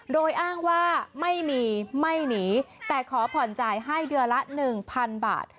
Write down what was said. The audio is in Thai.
โดยอ้างว่าไม่มีไม่หนีแต่ขอผ่อนจ่ายให้เดือนละ๑๐๐๐บาท